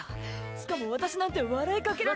しかも私なんて笑いかけられた。